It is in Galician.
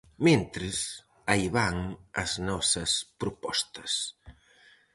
Mentres, aí van as nosas propostas.